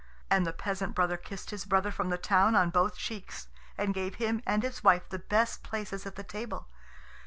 And the peasant brother kissed his brother from the town on both cheeks, and gave him and his wife the best places at the table.